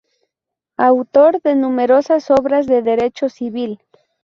Autor de numerosas obras de Derecho Civil.